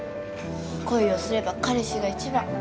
恋をすれば彼氏が一番。